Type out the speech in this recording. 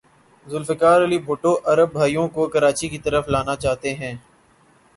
ذوالفقار علی بھٹو عرب بھائیوں کو کراچی کی طرف لانا چاہتے تھے۔